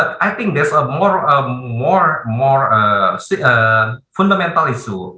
tapi saya rasa ada masalah yang lebih fundamental di sini